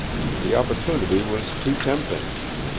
The opportunity was too tempting.